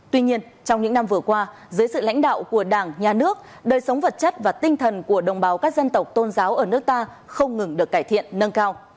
tuy nhiên trong những năm vừa qua dưới sự lãnh đạo của đảng nhà nước đời sống vật chất và tinh thần của đồng bào các dân tộc tôn giáo ở nước ta không ngừng được cải thiện nâng cao